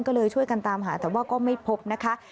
ก็เลยช่วยกันตามหาแต่ว่าก็ไม่พบนะคะ